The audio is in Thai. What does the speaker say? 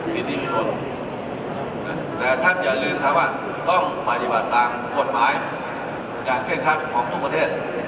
สิทธิชนแต่ท่านอย่าลืมครับว่าต้องปฏิบัติตามกฎหมายอย่างเคร่งคัดของทุกประเทศ